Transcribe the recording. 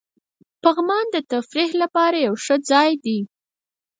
پغمان د تفریح لپاره یو ښه ځای دی.